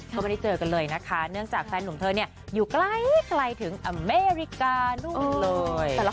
ก็ไม่ได้เจอกันเลยนะคะเนื่องจากแฟนหนุ่มเธอเนี่ยอยู่ไกลถึงอเมริกานู่นเลย